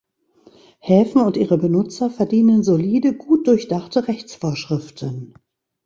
Häfen und ihre Benutzer verdienen solide, gut durchdachte Rechtsvorschriften.